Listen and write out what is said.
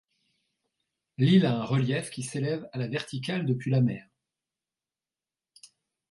L'île a un relief qui s'élève à la verticale depuis la mer.